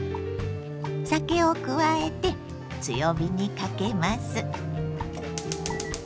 酒を加えて強火にかけます。